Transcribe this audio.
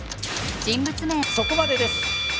そこまでです。